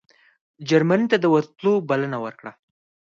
جرمني ته د ورتلو بلنه ورکړه.